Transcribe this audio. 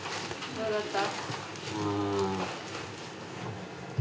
どうだった？